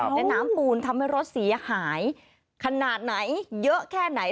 และน้ำปูนทำให้รถเสียหายขนาดไหนเยอะแค่ไหน